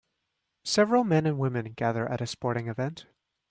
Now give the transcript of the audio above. Several men and women gather at a sporting event.